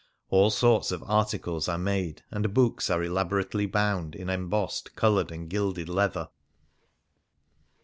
All sorts of articles are made, and books are elaborately bound in em bossed, coloured, and gilded leather.